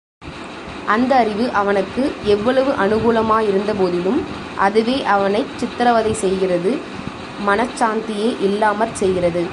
அந்த அறிவு அவனுக்கு எவ்வளவு அநுகூலமா யிருந்தபோதிலும், அதுவே அவனைச் சித்திரவதை செய்கிறது மனச்சாந்தியே இல்லாமற் செய்கிறது.